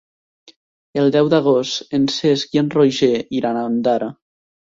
El deu d'agost en Cesc i en Roger iran a Ondara.